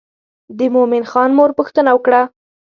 د مومن خان مور پوښتنه وکړه.